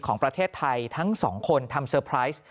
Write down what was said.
ของประเทศไทยทั้งสองคนทำเซอร์ไพรส์